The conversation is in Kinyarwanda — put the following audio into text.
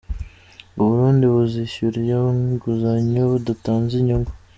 U Burundi buzishyura iyo nguzanyo budatanze inyungu.